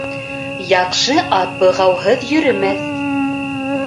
Яҡшы ат бығауһыҙ йөрөмәҫ